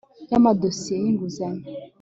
y amadosiye y inguzanyo